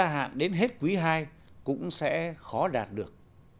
hạn đến hết quý ii cũng sẽ khó đạt được